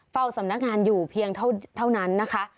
สำนักงานอยู่เพียงเท่านั้นนะคะ